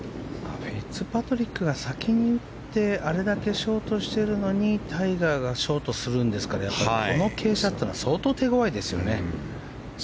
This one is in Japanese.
フィッツパトリックが先に行ってあれだけショートしているのにタイガーがショートするんですからやっぱり、この傾斜は相当手ごわいですよね。